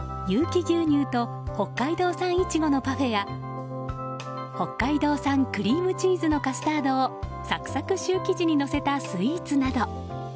有機牛乳と北海道産イチゴのパフェや北海道産クリームチーズのカスタードをさくさくシュー生地にのせたスイーツなど。